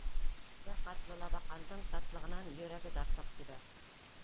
Бер ҡатлы Лабаҡандың шатлығынан йөрәге дарҫлап тибә.